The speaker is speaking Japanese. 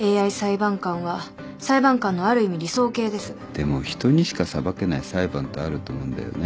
でも人にしか裁けない裁判ってあると思うんだよね。